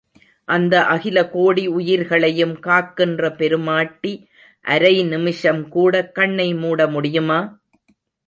அந்த அகில கோடி உயிர்களையும் காக்கின்ற பெருமாட்டி அரை நிமிஷம் கூட கண்ணை மூட முடியுமா?